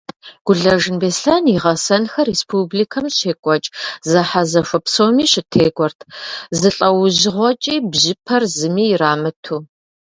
Гулэжын Беслъэн и гъэсэнхэр республикэм щекӏуэкӏ зэхьэзэхуэ псоми щытекӏуэрт, зы лӏэужьыгъуэкӏи бжьыпэр зыми ирамыту.